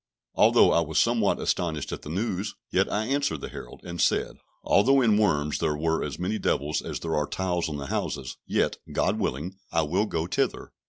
Although I was somewhat astonished at the news, yet I answered the herald, and said, although in Worms there were as many devils as there are tiles on the houses, yet, God willing, I will go thither.